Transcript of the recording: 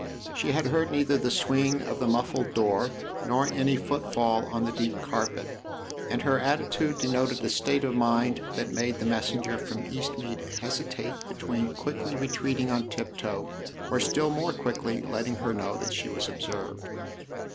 She had heard neither the swing of the muffled door nor any footfall on the deep carpet, and her attitude denoted a state of mind that made the messenger from Eastmead hesitate between quickly retreating on tiptoe or still more quickly letting her know that she was observed.